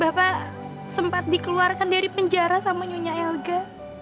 bapak sempat dikeluarkan dari penjara sama nyonya elga